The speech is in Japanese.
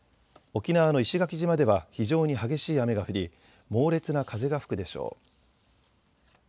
沖縄の石垣島では非常に激しい雨が降り猛烈な風が吹くでしょう。